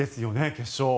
決勝。